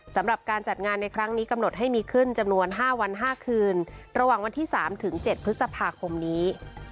สำหรับการจัดงานในครั้งนี้กำหนดให้มีขึ้นจำนวน๕วัน๕คืนระหว่างวันที่๓ถึง๗พฤษภาคมนี้